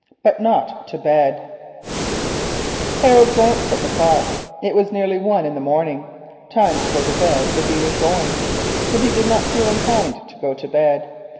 BUT NOT TO BED Harold glanced at the clock; it was nearly one in the morning, time to go to bed if he was going. But he did not feel inclined to go to bed.